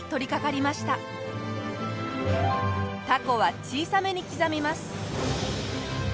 タコは小さめに刻みます。